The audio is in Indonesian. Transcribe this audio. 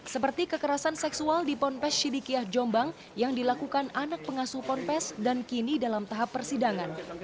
seperti kekerasan seksual di ponpes sidikiah jombang yang dilakukan anak pengasuh ponpes dan kini dalam tahap persidangan